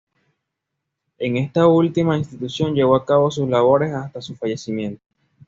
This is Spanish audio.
En esta última institución llevó a cabo sus labores hasta su fallecimiento.